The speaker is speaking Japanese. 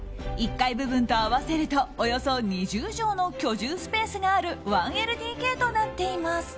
１階部分と合わせるとおよそ２０畳の居住スペースがある１ＬＤＫとなっています。